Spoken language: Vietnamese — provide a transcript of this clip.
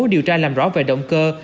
điều tra làm rõ về động cơ